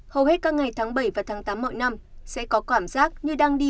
hầu hết các ngày tháng bảy và tháng tám mọi năm sẽ có cảm giác như đang đi